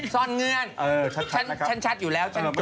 ซ่อนเงื่อนฉันชัดอยู่แล้ว